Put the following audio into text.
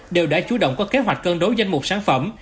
đều đã chú động có kế hoạch cân đối danh mục sản phẩm